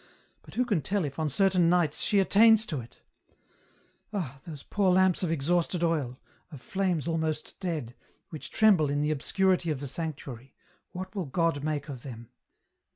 But who can tell if on certain nights she attains to it ?" Ah ! those poor lamps of exhausted oil, of flames almost dead, which tremble in the obscurity of the sanctuary, what will God make of them